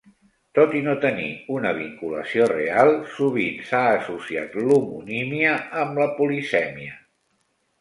Tot i no tenir una vinculació real, sovint s'ha associat l'homonímia amb la polisèmia.